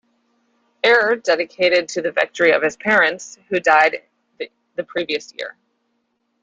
Ayre dedicated the victory to his parents, who died the previous year.